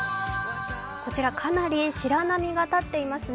かなり白波が立っていますね。